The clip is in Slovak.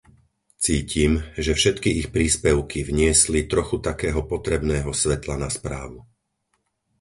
Cítim, že všetky ich príspevky vniesli trochu takého potrebného svetla na správu.